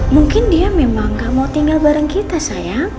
mungkin dia memang gak mau tinggal bareng kita sayang